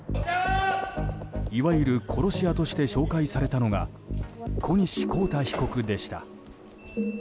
いわゆる殺し屋として紹介されたのが小西昴太被告でした。